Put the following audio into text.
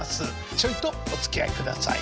ちょいとおつきあいください。